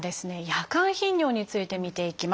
夜間頻尿について見ていきます。